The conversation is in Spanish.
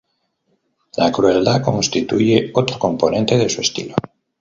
La crueldad constituye otro componente de su estilo.